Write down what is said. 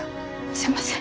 すいません。